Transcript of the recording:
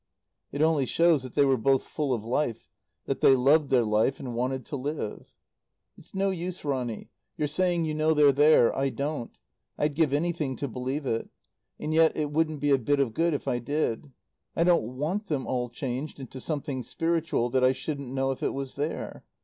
"It only shows that they were both full of life, that they loved their life and wanted to live. "It's no use, Ronny, you're saying you know they're there. I don't. I'd give anything to believe it. And yet it wouldn't be a bit of good if I did. I don't want them all changed into something spiritual that I shouldn't know if it was there.